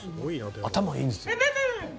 頭いいんですね。